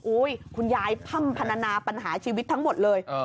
คุณยายพร่ำพนาปัญหาชีวิตทั้งหมดเลย